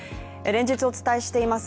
連日お伝えしています